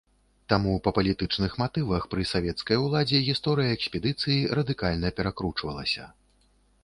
Таму па палітычных матывах пры савецкай уладзе гісторыя экспедыцыі радыкальна перакручвалася.